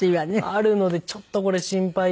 あるのでちょっとこれ心配で。